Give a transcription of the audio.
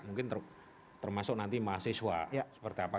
mungkin termasuk nanti mahasiswa